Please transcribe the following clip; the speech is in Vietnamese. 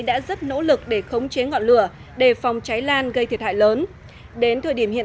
đã rất nỗ lực để khống chế ngọn lửa đề phòng cháy lan gây thiệt hại lớn đến thời điểm hiện